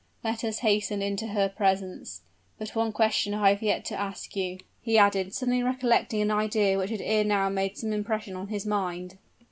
Let us hasten into her presence. But one question have I yet to ask you," he added, suddenly recollecting an idea which had ere now made some impression on his mind.